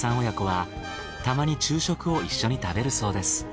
親子はたまに昼食を一緒に食べるそうです。